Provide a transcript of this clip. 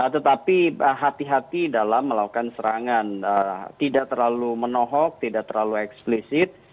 tetapi hati hati dalam melakukan serangan tidak terlalu menohok tidak terlalu eksplisit